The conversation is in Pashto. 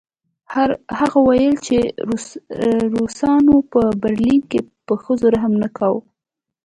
هغه وویل چې روسانو په برلین کې په ښځو رحم نه کاوه